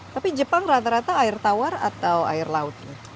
tapi jepang rata rata air tawar atau air laut